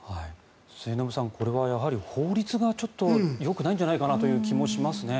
末延さん、これは法律がちょっとよくないんじゃないかなという気もしますね。